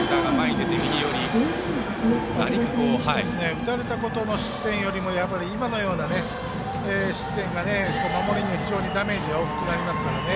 打たれたことの失点よりも今のような失点が守りには非常にダメージが大きくなりますからね。